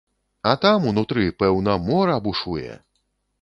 А там, унутры, пэўна, мора бушуе!